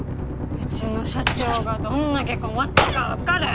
うちの社長がどんだけ困ったかわかる？